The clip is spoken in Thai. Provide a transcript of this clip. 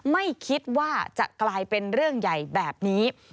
ไม่คิดว่าจะกลายเป็นเรื่องใหญ่แบบนี้